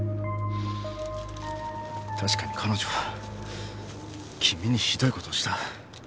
確かに彼女は君にひどい事をした。